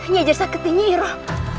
nyai yajar saketi nyai roh